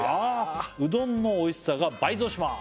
「うどんのおいしさが倍増します」